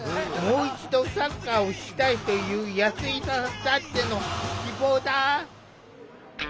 もう一度サッカーをしたいという安井さんたっての希望だ。